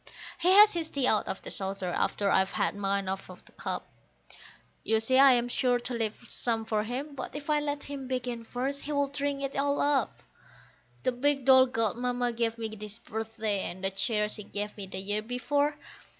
He has his tea out of the saucer after I've had mine out of the cup; You see I am sure to leave some for him, but if I let him begin first he would drink it all up. The big doll Godmamma gave me this birthday, and the chair she gave me the year before.